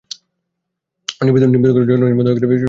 পরমানন্দ নিভৃত ঘরে জনহীন মধ্যাহ্নে শাস্ত্রপাঠ করিতেছিলেন।